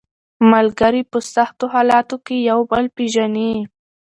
ملګري په سختو حالاتو کې یو بل پېژني